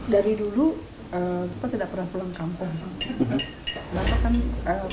dari dulu kita tidak pernah pulang kampung